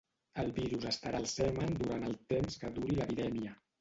El virus estarà al semen durant el temps que duri la virèmia.